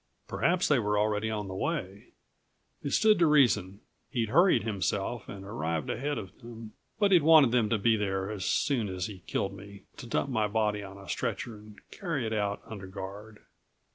Perhaps they were already on the way. It stood to reason. He'd hurried himself and arrived ahead of them, but he'd want them to be there as soon as he killed me, to dump my body on a stretcher and carry it out under guard.